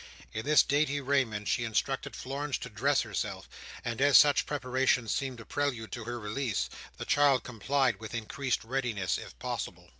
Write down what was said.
In this dainty raiment, she instructed Florence to dress herself; and as such preparation seemed a prelude to her release, the child complied with increased readiness, if possible.